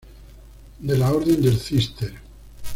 De la orden del Cister.